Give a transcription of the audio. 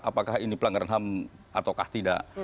apakah ini pelanggaran ham ataukah tidak